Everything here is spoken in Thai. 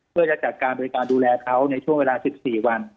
เพื่อจะจัดการบริการดูแลเขาในช่วงเวลา๑๔วัน